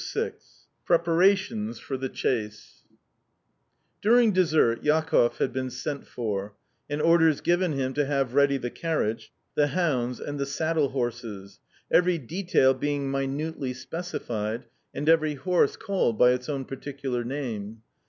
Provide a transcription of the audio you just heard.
VI PREPARATIONS FOR THE CHASE During dessert Jakoff had been sent for, and orders given him to have ready the carriage, the hounds, and the saddle horses every detail being minutely specified, and every horse called by its own particular name.